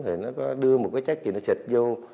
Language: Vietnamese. thì nó có đưa một cái chất gì nó xịt vô